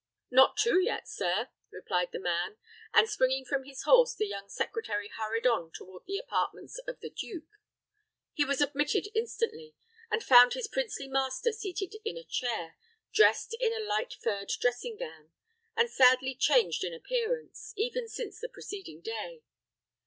"Not two yet, sir," replied the man; and springing from his horse, the young secretary hurried on toward the apartments of the duke. He was admitted instantly, and found his princely master seated in a chair, dressed in a light furred dressing gown, and sadly changed in appearance, even since the preceding day.